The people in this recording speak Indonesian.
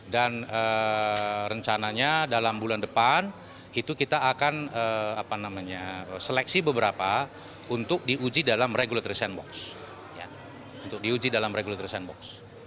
dan rencananya dalam bulan depan itu kita akan seleksi beberapa untuk diuji dalam regulatory sandbox